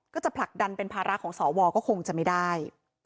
ก็จะผลักดันเป็นภาระของสวก็คงจะไม่ได้